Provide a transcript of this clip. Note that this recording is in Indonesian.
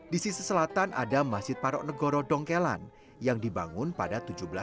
di sisi selatan ada masjid patok negoro dongkelan yang dibangun pada seribu tujuh ratus tujuh puluh lima